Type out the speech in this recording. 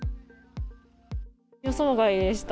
予想外でした。